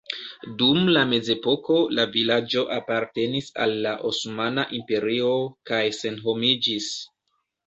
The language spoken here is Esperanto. Dum la mezepoko la vilaĝo apartenis al la Osmana Imperio kaj senhomiĝis.